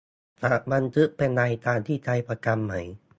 จะบันทึกเป็นรายการที่ใช้ประจำไหม